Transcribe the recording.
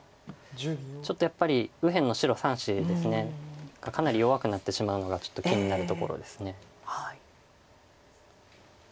ちょっとやっぱり右辺の白３子がかなり弱くなってしまうのがちょっと気になるところです。